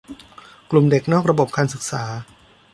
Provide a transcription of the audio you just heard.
กลุ่มเด็กนอกระบบการศึกษา